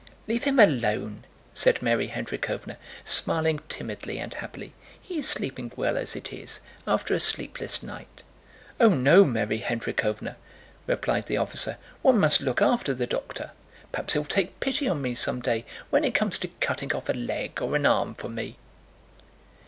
"Leave him alone," said Mary Hendríkhovna, smiling timidly and happily. "He is sleeping well as it is, after a sleepless night." "Oh, no, Mary Hendríkhovna," replied the officer, "one must look after the doctor. Perhaps he'll take pity on me someday, when it comes to cutting off a leg or an arm for me."